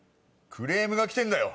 クレームが来てんだよ！